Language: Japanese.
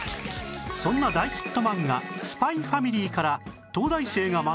そんな大ヒット漫画『ＳＰＹ×ＦＡＭＩＬＹ』から東大生が学んだポイントは